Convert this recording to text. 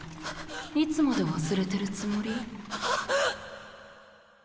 いつまで忘れてるつもり？